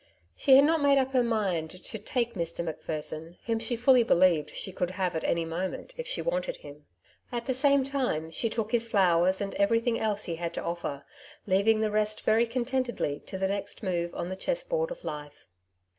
She had not made up her mind to '' take ^' Mr. Macpherson, whom she fully believed she could have at any moment if she wanted him. At the same time she took his flowers, and everything else he had to offer, leaving the resfc very contentedly to the next move on the chess board of life.